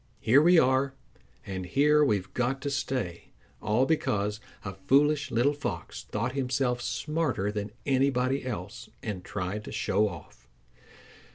Here we are, and here we've got to stay, all because a foolish little Fox thought himself smarter than anybody else and tried to show off."